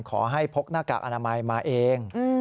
ขอให้พกนาคากอนามัยมาเอง